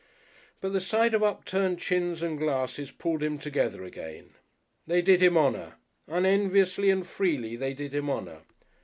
But the sight of upturned chins and glasses pulled him together again.... They did him honour. Unenviously and freely they did him honour.